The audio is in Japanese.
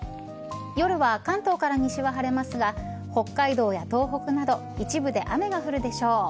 夜は関東から西は晴れますが北海道や東北など一部で雨が降るでしょう。